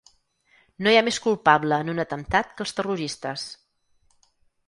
No hi ha més culpable en un atemptat que els terroristes.